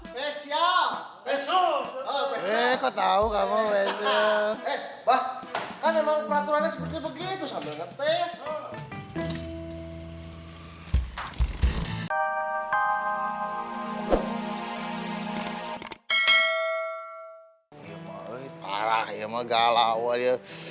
besok besok besok kau tahu kamu besok